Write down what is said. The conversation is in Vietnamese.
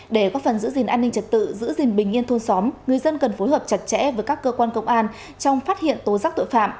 để có phần giữ gìn an ninh trật tự giữ gìn bình yên thôn xóm người dân cần phối hợp chặt chẽ với các cơ quan công an trong phát hiện tố giác tội phạm